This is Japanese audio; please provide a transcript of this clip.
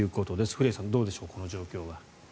古屋さん、どうでしょうこの状況は。